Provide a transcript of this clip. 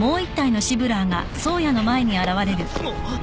あっ！？